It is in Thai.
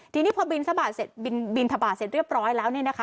ทีนี้พอบินทบาทเสร็จบินทบาทเสร็จเรียบร้อยแล้วเนี่ยนะคะ